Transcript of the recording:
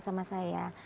apa yang saya butuhkan